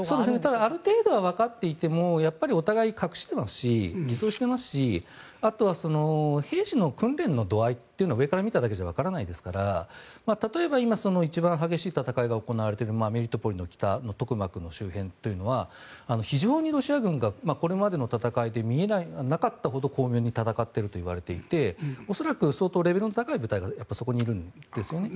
ただ、ある程度はわかっていてもやっぱり、お互い隠していますし偽装していますしあとは兵士の訓練の度合いというのは上から見ただけじゃわからないですから例えば、今一番激しい戦いが行われているメリトポリの北のトクマクの周辺というのは非常にロシア軍がこれまでの戦いでなかったほど巧妙に戦っているといわれていて恐らく相当レベルの高い部隊がそこにいるんですよね。